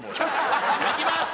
行きます！